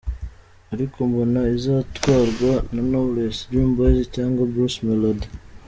Ariko mbona izatwarwa na Knowles, Dream Boys cyangwa Bruce Melody.